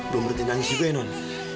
belum berhenti nangis juga ya non